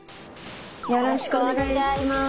よろしくお願いします。